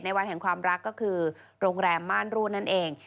วันแห่งความรักก็คือโรงแรมม่านรูดนั่นเอง